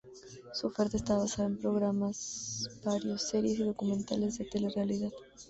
Su oferta estaba basada en programas varios, series y documentales de telerrealidad.